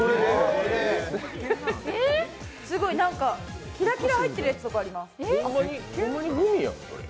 すごいキラキラ入ってるやつとかあります。